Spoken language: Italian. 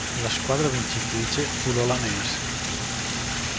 La squadra vincitrice fu l'Olhanense.